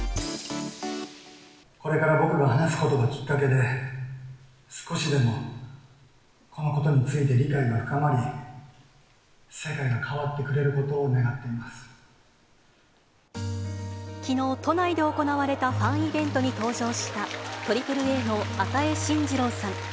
これから僕が話すことがきっかけで、少しでもこのことについて理解が深まり、世界が変わってきのう、都内で行われたファンイベントに登場した、ＡＡＡの與真司郎さん。